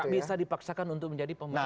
bisa dipaksakan untuk menjadi pemerintah